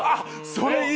それいい！